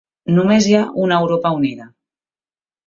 Només hi ha una Europa unida.